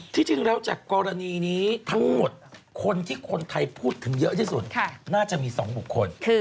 จริงแล้วจากกรณีนี้ทั้งหมดคนที่คนไทยพูดถึงเยอะที่สุดน่าจะมี๒บุคคล